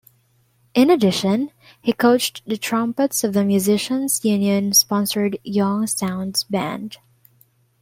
In addition, he coached the trumpets of the Musicians Union sponsored Young Sounds band.